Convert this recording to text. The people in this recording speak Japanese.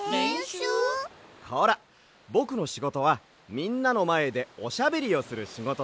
ほらぼくのしごとはみんなのまえでおしゃべりをするしごとだろ？